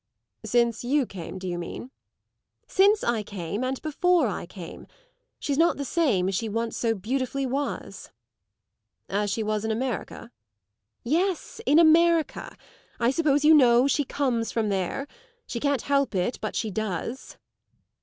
"Since you came, do you mean?" "Since I came and before I came. She's not the same as she once so beautifully was." "As she was in America?" "Yes, in America. I suppose you know she comes from there. She can't help it, but she does."